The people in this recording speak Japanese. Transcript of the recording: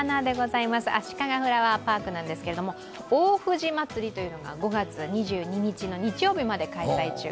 あしかがフラワーパークなんですが、大藤まつりというのが５月２２日の日曜日まで開催中。